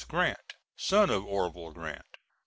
Grant, son of Orvil Grant.